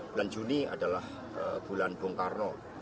bulan juni adalah bulan bung karno